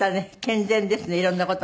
健全ですねいろんな事がね。